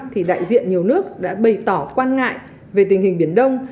thì đại diện nhiều nước đã bày tỏ quan ngại về tình hình biển đông